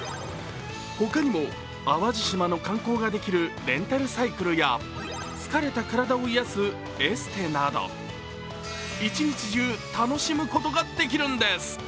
他にも淡路島の観光ができるレンタルサイクルや疲れた体を癒やすエステなど、１日中楽しむことができるんです。